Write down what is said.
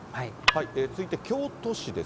続いて京都市です。